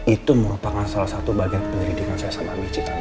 itu merupakan salah satu bagian penyelidikan saya sama michi tante